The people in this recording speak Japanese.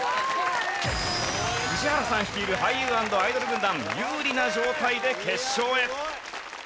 宇治原さん率いる俳優＆アイドル軍団有利な状態で決勝へ！